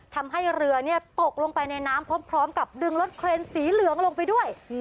ทำให้เรือตกลงไปในน้ำพร้อมกับดึงรถเครนสีเหลืองลงไปด้วย